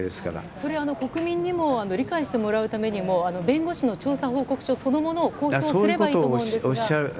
それは国民にも理解してもらうためにも、弁護士の調査報告書、そのものを公表すればいいと思うんですが。